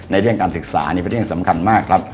ในเรื่องการศึกษาเป็นเรื่องสำคัญมาก